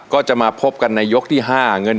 ก็จะมาพบกันในยกที่๕